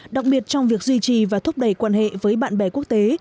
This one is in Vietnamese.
đặc biệt trong việc duy trì và thúc đẩy quan hệ với bạn bè quốc tế